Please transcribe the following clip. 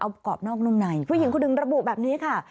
เอาประกอบนอกนุ่มในผู้หญิงคนหนึ่งระบุแบบนี้ค่ะ